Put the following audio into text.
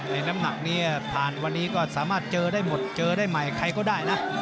น้ำหนักนี้ผ่านวันนี้ก็สามารถเจอได้หมดเจอได้ใหม่ใครก็ได้นะ